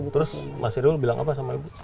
terus mas irul bilang apa sama ibu